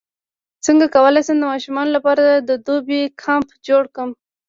څنګه کولی شم د ماشومانو لپاره د دوبي کمپ جوړ کړم